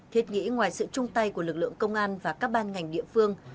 thiết nghĩ ngoài sự chung tay của lực lượng công an và các ban ngành địa phương